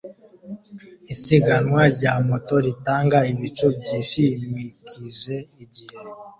Isiganwa rya moto ritanga ibicu byishimikije igihe